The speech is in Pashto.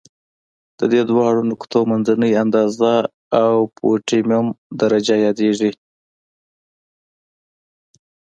د دې دواړو نقطو منځنۍ اندازه اؤپټیمم درجه یادیږي.